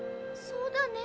「そうだね」